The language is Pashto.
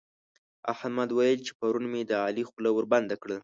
احمد ويل چې پرون مې د علي خوله وربنده کړه.